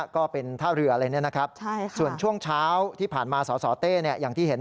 ก็เป็นท่าเรืออะไรเนี่ยนะครับส่วนช่วงเช้าที่ผ่านมาสสเต้อย่างที่เห็น